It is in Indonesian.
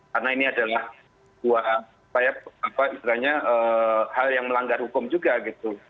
karena ini adalah hal yang melanggar hukum juga gitu